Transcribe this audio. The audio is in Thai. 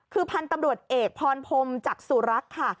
คือพันธ์ตำรวจเอกพรพมจากสู่รักค่ะ